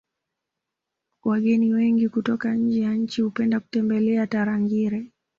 wageni wengi kutoka nje ya nchi hupenda kutembelea tarangire